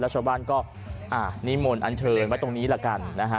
ชาวบ้านก็นิมนต์อันเชิญไว้ตรงนี้ละกันนะฮะ